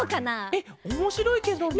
えっおもしろいケロね。